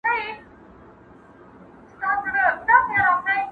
ماته مي شناختو د شهید پلټن کیسه کړې ده،